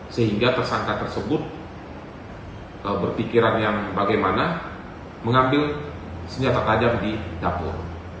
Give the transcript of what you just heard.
sehingga tersangka tersebut berpikiran yang bagaimana mengambil senjata tajam di dapur